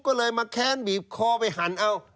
ก็เลยมาแค้นบีบคอไปหันเอา